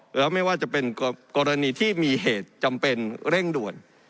แล้วไม่ว่าจะเป็นกรณีที่มีเหตุจำเป็นเร่งด่วน